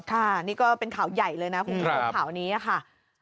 ค่ะนี่ก็เป็นข่าวใหญ่เลยนะคุณผู้ชมข่าวนี้ค่ะ